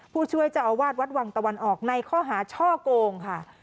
ผู้ช่วยเจ้าอาวาสวัดวังตะวันออกในข้อหาช่อโกงค่ะ